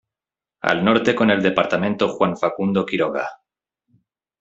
Al norte con el Departamento Juan Facundo Quiroga.